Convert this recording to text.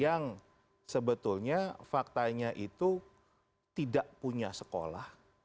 yang sebetulnya faktanya itu tidak punya sekolah